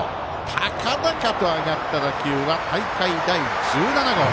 高々と上がった打球は大会第１７号。